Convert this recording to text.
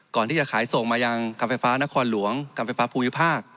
ก่อนที่จะขายส่งมายังการไฟฟ้านครหลวงการไฟฟ้าภูมิภาค